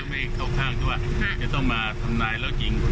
ไม่เข้าข้างที่ว่าจะต้องมาทำนายแล้วจริง